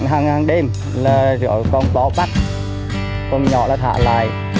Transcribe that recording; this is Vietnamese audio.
hàng hàng đêm là con bó bắt con nhỏ là thả lại